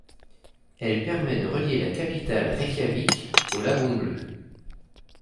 Elle permet de relier la capitale Reykjavik au lagon bleu.